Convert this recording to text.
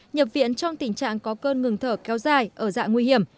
nhập viện trong tình trạng có cơn ngừng thở kéo dài ở dạng nguy hiểm